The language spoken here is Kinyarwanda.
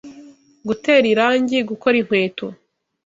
gutera irangi, gukora inkweto